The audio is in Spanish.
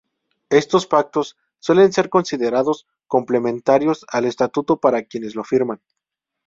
Estos pactos suelen ser considerados complementarios al Estatuto para quienes los firman.